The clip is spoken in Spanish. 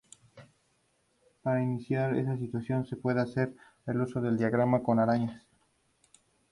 Para indicar esa situación se puede hacer uso de un diagrama con arañas.